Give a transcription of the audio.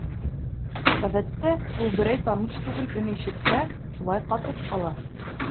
Ғәҙәттә, ул берәй таныш түгел өн ишетһә, шулай ҡатып ҡала.